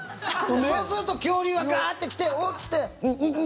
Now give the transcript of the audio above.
そうすると恐竜がガーッて来てお？って言ってん、ん、ん？